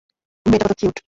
মেয়েটা কত কিউট!